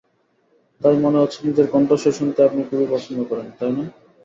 তাই, মনে হচ্ছে নিজের কণ্ঠস্বর শুনতে আপনি খুব পছন্দ করেন, তাই না?